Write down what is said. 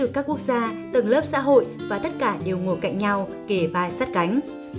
các quốc gia tầng lớp xã hội và tất cả đều ngồi cạnh nhau kề vai sát cánh